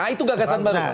nah itu gagasan baru